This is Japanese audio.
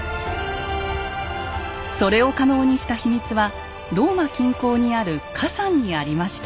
それを可能にした秘密はローマ近郊にある火山にありました。